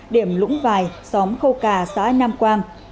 điểm lũng vài xóm khâu cà xã nam quang